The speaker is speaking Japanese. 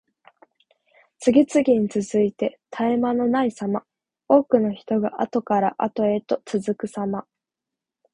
次々に続いて絶え間のないさま。多くの人があとからあとへと続くさま。